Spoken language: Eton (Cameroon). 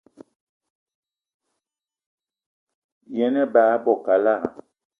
Yen ebag i bo kalada